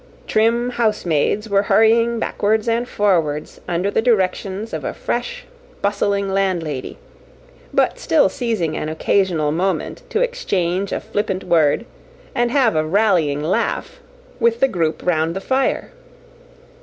Trim house maids were hurrying backwards and forwards under the directions of a fresh, bustling landlady; but still seizing an occasional moment to exchange a flippant word, and have a rallying laugh, with the group round the fire.